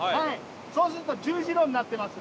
そうすると十字路になってます。